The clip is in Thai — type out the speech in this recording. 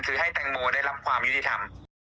คือให้แตงโมได้รับความยุติธรรม